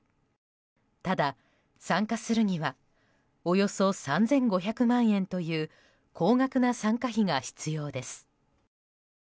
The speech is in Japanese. ただ、参加するにはおよそ３５００万円という高額な参加費が必要です。